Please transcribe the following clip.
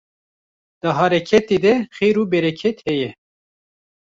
Di hereketê de xêr û bereket heye